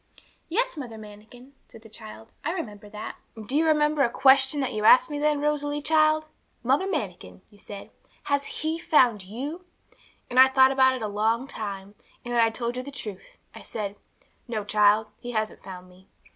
'Yes, Mother Manikin,' said the child, 'I remember that.' 'And do you remember a question that you asked me then, Rosalie, child! "Mother Manikin," you said, "has He, found you?" And I thought about it a long time; and then I told you the truth. I said, "No, child, He hasn't found me."